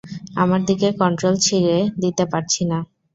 আমার দিকে কন্ট্রোল ছেড়ে দিতে পারছি না।